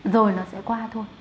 rồi nó sẽ qua thôi